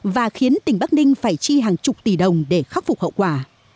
và khiến tỉnh bắc ninh phải chi hàng chục tỷ đồng để khắc phục hậu quả